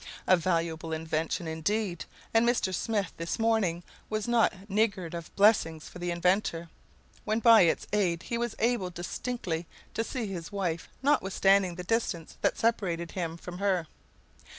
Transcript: A valuable invention indeed, and Mr. Smith this morning was not niggard of blessings for the inventor, when by its aid he was able distinctly to see his wife notwithstanding the distance that separated him from her.